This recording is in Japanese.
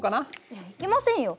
いや行きませんよ。